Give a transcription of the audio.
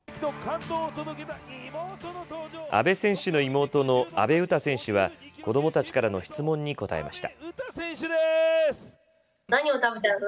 阿部選手の妹の阿部詩選手は子どもたちからの質問に答えました。